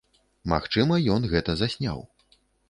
Магчыма ён гэта засняў.